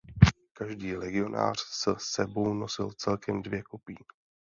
Každý legionář s sebou nosil celkem dvě kopí.